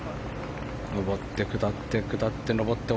上って下って下って上って。